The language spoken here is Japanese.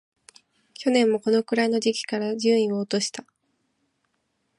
去年もこのくらいの時期から順位を落とした